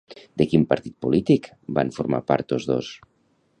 De quin partit polític van formar part tots dos?